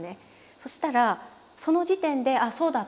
そしたらその時点で「ああそうだった」と。